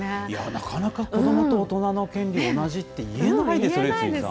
なかなか子どもと大人の権利を同じって言えないですよね。